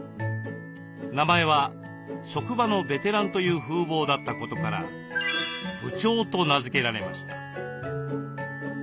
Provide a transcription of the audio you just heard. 名前は職場のベテランという風貌だったことから「部長」と名付けられました。